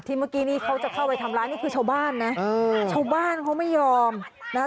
เมื่อกี้นี่เขาจะเข้าไปทำร้ายนี่คือชาวบ้านนะชาวบ้านเขาไม่ยอมนะคะ